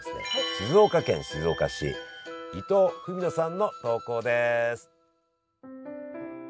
静岡県静岡市伊藤史乃さんの投稿です。